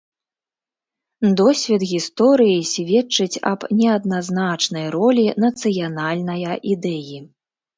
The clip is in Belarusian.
Досвед гісторыі сведчыць аб неадназначнай ролі нацыянальная ідэі.